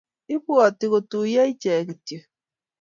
Ibwoti kotuiyo iche kityo